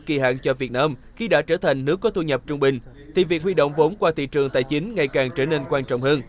khi đã trở thành nước có thu nhập trung bình thì việc huy động vốn qua thị trường tài chính ngày càng trở nên quan trọng hơn